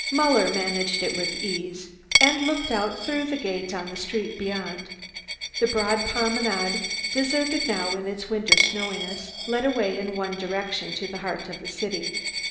Muller managed it with ease, and looked out through the gate on the street beyond. The broad promenade, deserted now in its winter snowiness, led away in one direction to the heart of the city.